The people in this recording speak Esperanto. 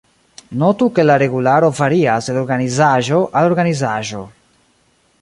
Notu ke la regularo varias el organizaĵo al organizaĵo.